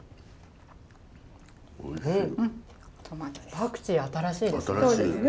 パクチー新しいですね。